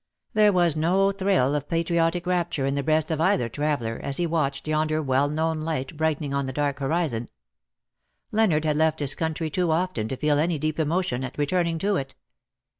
There was no thrill of patriotic rapture in the breast of either traveller as he watched yonder well known light brightening on the dark horizon. Leonard had left his country too often to feel any deep emotion at returning to it.